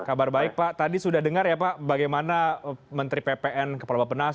kabar baik pak tadi sudah dengar ya pak bagaimana menteri ppn kepala bapak penas